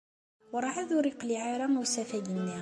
Werɛad ur yeqliɛ ara usafag-nni.